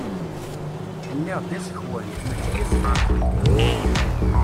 Nniɣ-d iẓekwan, mačči izeḍwan!